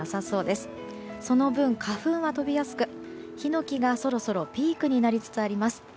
その分、花粉は飛びやすくヒノキがそろそろピークになりつつあります。